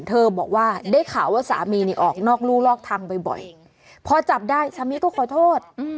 บอกว่าได้ข่าวว่าสามีนี่ออกนอกรู่นอกทางบ่อยพอจับได้สามีก็ขอโทษ